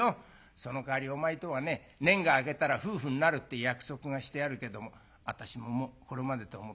そのかわりお前とはね年季が明けたら夫婦になるって約束がしてあるけども私ももうこれまでと思って諦めるからね。